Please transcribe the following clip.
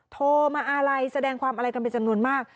โทรมาอาลัยแสดงความอะไรกันเป็นจำนวนมาก